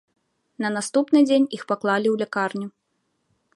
На наступны дзень іх паклалі ў лякарню.